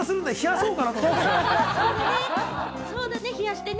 そうだね、冷やしてね。